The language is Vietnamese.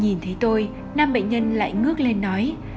nhìn thấy tôi năm bệnh nhân lại ngước lên nói